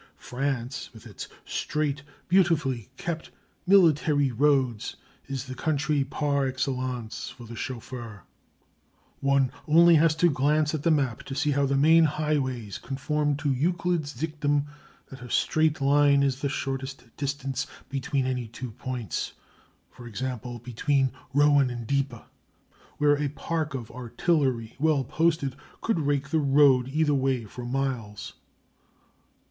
France, with its straight, beautifully kept, military roads, is the country par excellence for the chauffeur. One has only to glance at the map to see how the main highways conform to Euclid's dictum that a straight line is the shortest distance between any two points, e.g. between Rouen and Dieppe, where a park of artillery, well posted, could rake the road either way for miles.